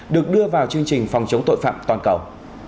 được đưa vào chương trình phòng chống tội phạm toàn cầu